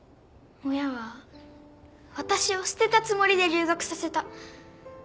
親は私を捨てたつもりで留学させた。